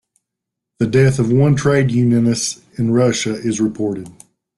The death of one trade unionist in Russia is reported.